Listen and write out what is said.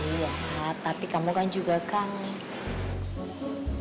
iya tapi kamu kan juga kang